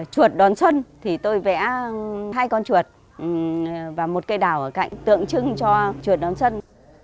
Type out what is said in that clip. chuột đón xuân thì tôi vẽ hai con chuột và một cây đào ở cạnh tượng trưng cho chuột đón xuân